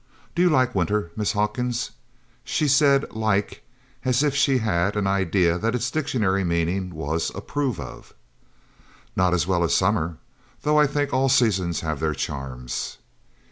Do you like winter, Miss Hawkins?" She said "like" as if she had an idea that its dictionary meaning was "approve of." "Not as well as summer though I think all seasons have their charms."